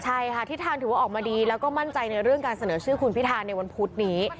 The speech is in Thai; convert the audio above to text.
ใช่ค่ะทิศทางถือว่าออกมาดีแล้วก็มั่นใจในเรื่องการเสนอชื่อคุณพิธาในวันพุธนี้